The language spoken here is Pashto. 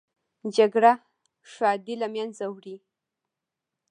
جګړه ښادي له منځه وړي